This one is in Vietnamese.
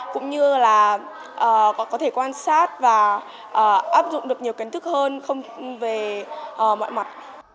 cũng như là có thể quan sát và áp dụng được nhiều kiến thức hơn về mọi mặt